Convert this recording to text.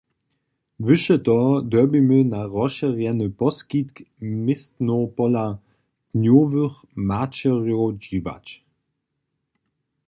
Wyše toho dyrbimy na rozšěrjeny poskitk městnow pola dnjowych maćerjow dźiwać.